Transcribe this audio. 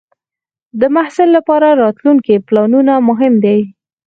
د محصل لپاره راتلونکې پلانول مهم دی.